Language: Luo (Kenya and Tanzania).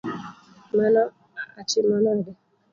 Mano atimo nade?